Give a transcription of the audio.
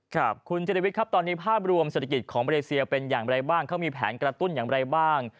ครับคุณเจรวิทย์ครับตอนนี้ภาพรวมเศรษฐกิจของมาเลเซียเป็นอย่างไรบ้างเขามีแผนกระตุ้นอย่างไรบ้าง